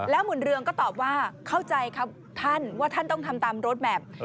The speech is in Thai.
หมุนเรืองก็ตอบว่าเข้าใจครับท่านว่าท่านต้องทำตามรถแมพ